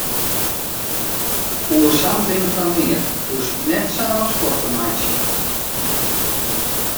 Oer sa'n ding fan neat hoechst net sa'n opskuor te meitsjen.